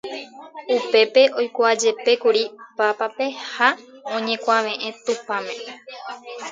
Upépe oikuaajepékuri Pápape ha oñekuaveʼẽ Tupãme.